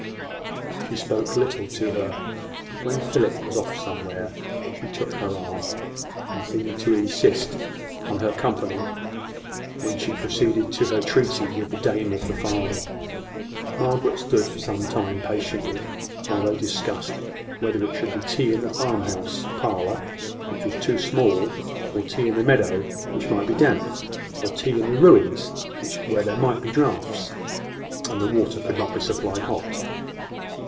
She spoke little to her; but when Philip was off somewhere, she took her arm, and seemed to insist on her company when she proceeded to her treaty with the dame of the farm. Margaret stood for some time patiently, while they discussed whether it should be tea in the farmhouse parlour, which was too small or tea in the meadow, which might be damp or tea in the ruins, where there might be draughts, and the water could not be supplied hot.